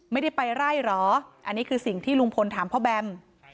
ไม่ได้ไปไล่เหรออันนี้คือสิ่งที่ลุงพลถามพ่อแบม